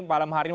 malam hari ini